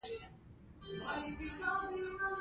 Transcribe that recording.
کېله د ښکلا لپاره هم کارېږي.